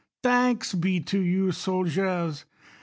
Tiianks be to you, soldiers.